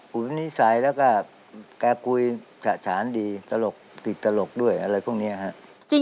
นิสัยแล้วก็แกคุยฉะฉานดีตลกติดตลกด้วยอะไรพวกนี้ครับ